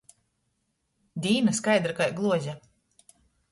Dīna skaidra kai gluoze.